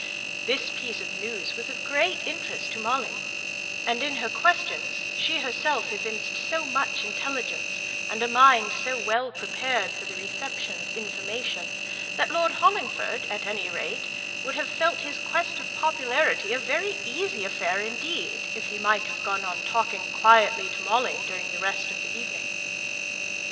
This piece of news was of great interest to Molly; and, in her questions, she herself evinced so much intelligence, and a mind so well prepared for the reception of information, that Lord Hollingford at any rate would have felt his quest of popularity a very easy affair indeed, if he might have gone on talking quietly to Molly during the rest of the evening.